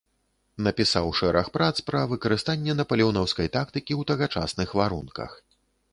Напісаў шэраг прац пра выкарыстанне напалеонаўскай тактыкі ў тагачасных варунках.